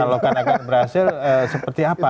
kalau kan agak berhasil seperti apa